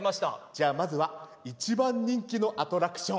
じゃあまずは一番人気のアトラクション。